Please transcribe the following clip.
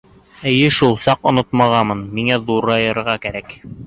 Эйе шул, саҡ онотмағанмын —миңә ҙурайырға кәрәк!